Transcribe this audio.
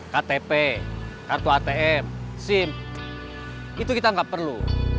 ktp kartu atm sim itu kita nggak perlu